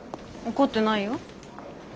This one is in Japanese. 怒ってないよ。